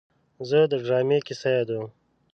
زه د ډرامې کیسه یادوم.